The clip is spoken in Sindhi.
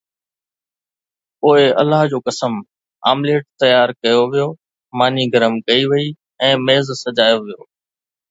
پوءِ الله جو قسم، آمليٽ تيار ڪيو ويو، ماني گرم ڪئي وئي ۽ ميز سجايو ويو